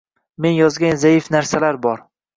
Men yozgan zaif narsalar bor.